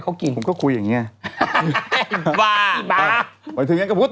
ก็ต้องก้มไปคุยอย่างนี้ไง